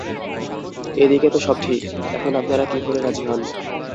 এ দিকে তো সব ঠিক– এখন আপনারা কী হলে রাজি হন?